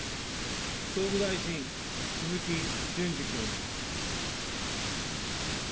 総務大臣、鈴木淳司君。